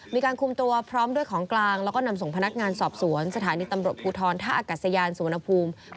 มีการคุมตัวพร้อมด้วยของกลางแล้วก็นำส่งพนักงานสอบสวนสถานีตำรวจภูทรท่าอากาศยานสุวรรณภูมิ